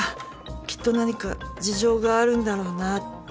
きっと何か事情があるんだろうなって。